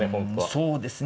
そうですね。